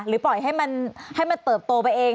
ปล่อยให้มันเติบโตไปเอง